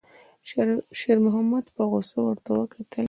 شېرمحمد په غوسه ورته وکتل.